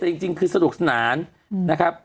แต่จริงคือสนุกสนานนะครับ